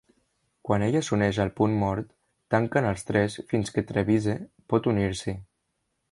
Quan ella s'uneix al punt mort, tanquen els tres fins que Trevize pot unir-s'hi.